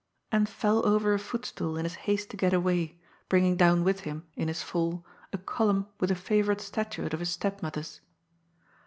and fell over a footstool in his haste to get away, bringing down with him in his fall a column with a favorite statuette of his step mother's.